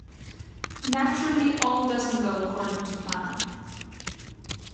Naturally all doesn't go according to plan.